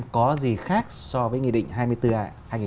có gì khác so với nghị định hai mươi bốn a hai nghìn một mươi sáu